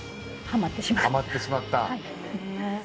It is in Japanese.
ハマってしまった。